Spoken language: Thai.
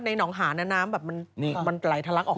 ในน้องหาในน้ำมันไลถลักออก